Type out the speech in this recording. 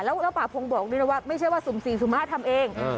แล้วปาพรงค์บอกว่าไม่ใช่ว่า๔๐๕๐บาททำเอง